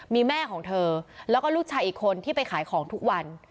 มีแม่ของเธอแล้วก็ลูกชายอีกคนที่ไปขายของทุกวัน